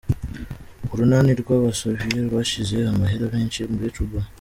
Urunani rw'aba Soviet rwashize amahera menshi muri Cuba.